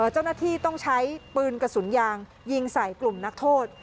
เจ้าหน้าที่ต้องใช้ปืนกระสุนยางยิงใส่กลุ่มนักโทษ